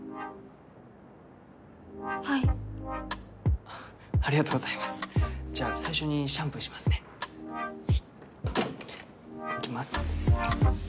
はいありがとうございますじゃあ最初にシャンプーしますねいきます